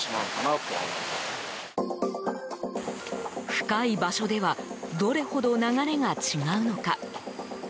深い場所ではどれほど流れが違うのか。